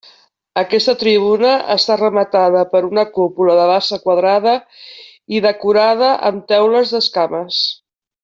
Aquesta tribuna està rematada per una cúpula de base quadrada i decorada amb teules d'escames.